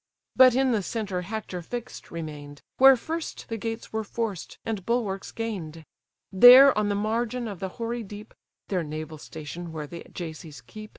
But in the centre Hector fix'd remain'd, Where first the gates were forced, and bulwarks gain'd; There, on the margin of the hoary deep, (Their naval station where the Ajaces keep.